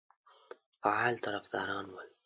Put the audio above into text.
فعال طرفداران ول.